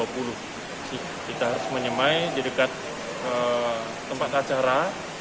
kita harus menyemai di dekat tempat acara